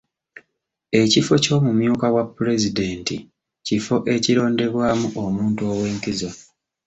Ekifo ky'omumyuka wa pulezidenti, kifo ekirondebwamu omuntu ew'enkizo.